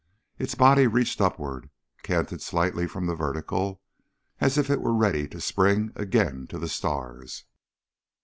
Its body reached upward, canted slightly from the vertical, as if it were ready to spring again to the stars.